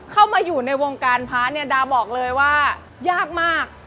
เข้ามาอยู่ในวงการพระเนี่ยดาบอกเลยว่ายากมาก